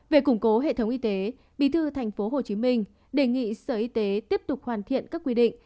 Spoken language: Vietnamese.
về củng cố hệ thống y tế bí thư tp hcm đề nghị sở y tế tiếp tục hoàn thiện các quy định